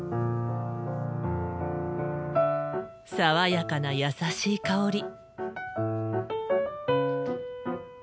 爽やかな優しい香り。